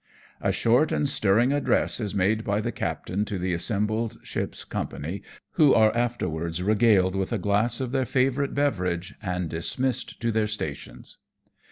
A short and stirring address is made by the captain to the assembled ship's company, who are afterwards regaled with a glass of their favourite beverage, and dismissed to their stations.